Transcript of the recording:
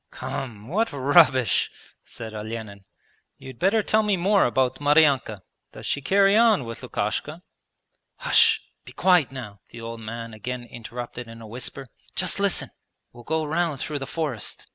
'Come, what rubbish!' said Olenin. 'You'd better tell me more about Maryanka. Does she carry on with Lukashka?' 'Hush ... be quiet now!' the old man again interrupted in a whisper: 'just listen, we'll go round through the forest.'